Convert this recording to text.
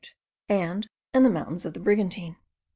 and the mountains of the Brigantine.